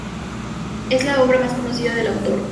Es la obra más conocida del autor.